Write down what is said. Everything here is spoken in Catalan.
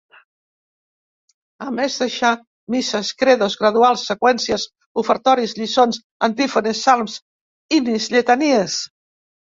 A més, deixà, Misses, Credos, Graduals, seqüències, Ofertoris, lliçons, antífones, salms, inis, lletanies.